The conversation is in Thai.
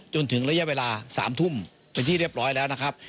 จนถึงระยะเวลา๓ทุ่มเป็นที่เรียบร้อยแล้วนะครับ